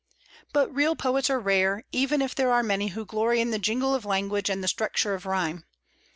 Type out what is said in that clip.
But real poets are rare, even if there are many who glory in the jingle of language and the structure of rhyme.